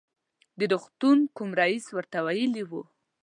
د روغتون کوم رئیس ورته ویلي و.